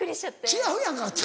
違うやんか！